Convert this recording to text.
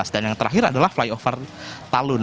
dan yang terakhir adalah flyover talun